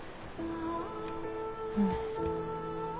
うん。